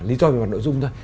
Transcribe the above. lý do về mặt nội dung thôi